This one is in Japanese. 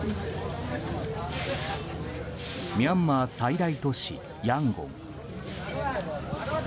ミャンマー最大都市ヤンゴン。